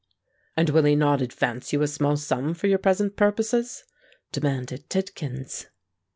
"And will he not advance you a small sum for your present purposes?" demanded Tidkins.